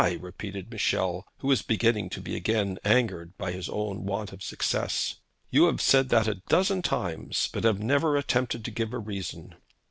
repeated Michel, who was beginning to be again angered by his own want of success. 'You have said that a dozen times, but have never attempted to give a reason.'